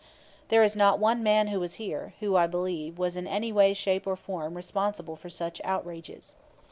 There is not one man who was here, who, I believe, was in any way, shape or form responsible for such outrages.